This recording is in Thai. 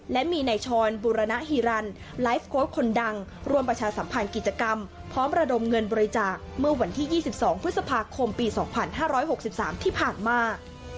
และมีในชรบุรณฮิรันไลฟ์โค้ดคนดังรวมประชาสัมพันธ์กิจกรรมพร้อมระดมเงินบริจาคเมื่อวันที่๒๒พฤษภาคมปี๒๕๖๓ที่ผ่านมา